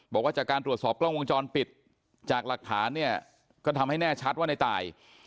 บอกว่าจากการตรวจสอบกล้องวงจรปิดจากหลักฐานเนี่ยก็ทำให้แน่ชัดว่าในตาย